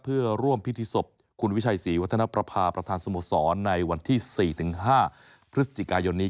เพื่อร่วมพิธีศพคุณวิชัยศรีวัฒนประพาประธานสโมสรในวันที่๔๕พฤศจิกายนนี้